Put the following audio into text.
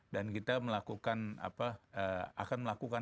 dan kita melakukan